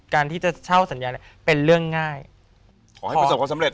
การที่จะเช่าสัญญาเนี่ยเป็นเรื่องง่ายขอให้ประสบความสำเร็